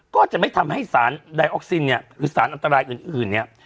ก็จะไม่ทำให้สารไดออกซินเนี่ยหรือสารอันตรายอื่นเนี่ย